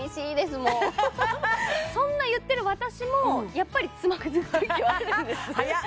もうそんな言ってる私もやっぱりつまずくときはあるんですははははっ！